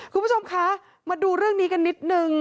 คุณผู้ชมคะมาดูเรื่องนี้กันนิดนึง